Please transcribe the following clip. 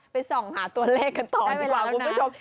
ส่องหาตัวเลขกันต่อดีกว่าคุณผู้ชม